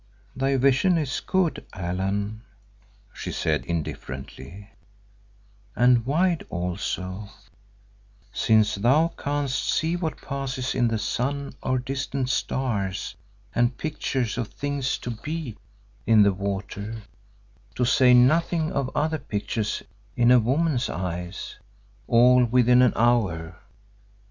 "Thy vision is good, Allan," she said indifferently, "and wide also, since thou canst see what passes in the sun or distant stars, and pictures of things to be in the water, to say nothing of other pictures in a woman's eyes, all within an hour.